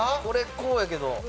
これこうやけど。